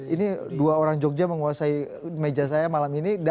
ini dua orang jogja menguasai meja saya malam ini